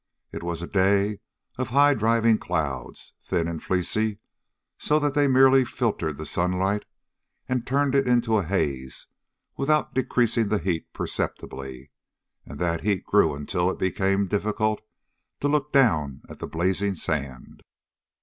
It was a day of high driving clouds, thin and fleecy, so that they merely filtered the sunlight and turned it into a haze without decreasing the heat perceptibly, and that heat grew until it became difficult to look down at the blazing sand.